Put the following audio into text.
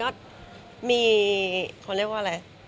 ก็จริงมันก็มี